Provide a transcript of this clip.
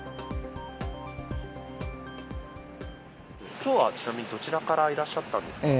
きょうはちなみにどちらからいらっしゃったんですか。